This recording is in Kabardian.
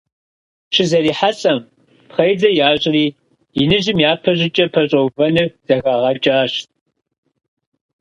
ЩызэрихьэлӀэм, пхъэидзэ ящӀри, иныжьым япэ щӀыкӀэ пэщӀэувэныр зэхагъэкӀащ.